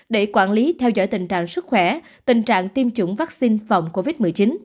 để quản lý theo dõi tình trạng sức khỏe tình trạng tiêm chủng vaccine phòng covid một mươi chín